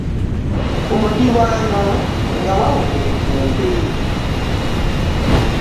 Ku muliraano nga wawunya evvumbe.